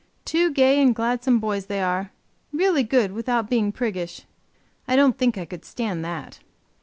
Two gay and gladsome boys they are; really good without being priggish; I don't think I could stand that.